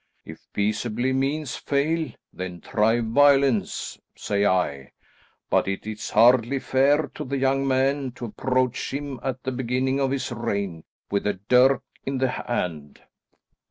If peaceable means fail, then try violence, say I, but it is hardly fair to the young man to approach him at the beginning of his reign with a dirk in the hand.